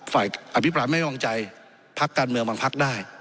อภิปรายไม่วางใจพักการเมืองบางพักได้